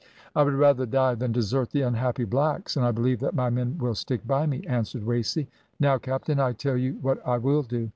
"`I would rather die than desert the unhappy blacks, and I believe that my men will stick by me,' answered Wasey. `Now, captain, I'll tell you what I will do.